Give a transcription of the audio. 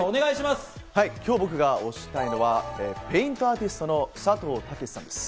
今日、僕が推したいのはペイントアーティストのさとうたけしさんです。